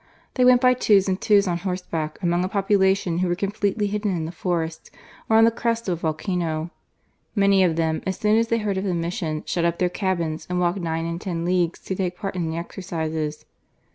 They went by twos and twos on horseback among a population who were completely hidden in the forests or on the crests of a volcano. Many of them, as soon as they heard of the mission, shut up their cabins and walked nine and ten leagues to take part in the exercises.